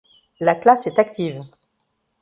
La classe est active.